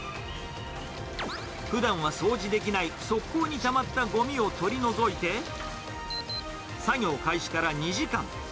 ふだんは掃除できない、側溝にたまったごみを取り除いて、作業開始から２時間。